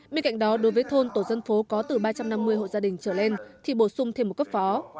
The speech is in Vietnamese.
bên cạnh đó đối với thôn tổ dân phố có từ ba trăm năm mươi hộ gia đình trở lên thì bổ sung thêm một cấp phó